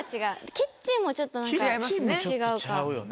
キッチンもちょっとちゃうよね。